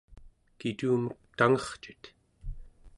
kitumek tangercit?